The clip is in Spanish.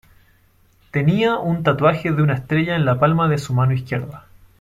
Tenía un tatuaje de una estrella en la palma de su mano izquierda.